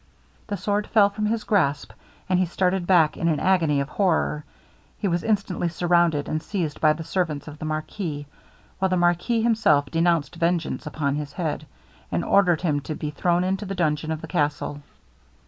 The sword fell from his grasp, and he started back in an agony of horror. He was instantly surrounded, and seized by the servants of the marquis, while the marquis himself denounced vengeance upon his head, and ordered him to be thrown into the dungeon of the castle.